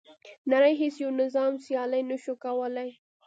نړۍ هیڅ یو نظام سیالي نه شوه کولای.